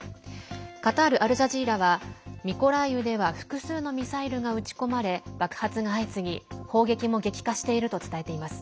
カタール・アルジャジーラはミコライウでは複数のミサイルが撃ち込まれ爆発が相次ぎ砲撃も激化していると伝えています。